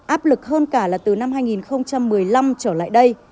áp lực hơn cả là từ năm hai nghìn một mươi năm trở lại đây